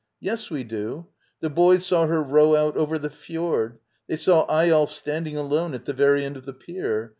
Yes, we do. The boys saw her row out over the fjord. They saw Eyolf standing alone at the very end of the pier.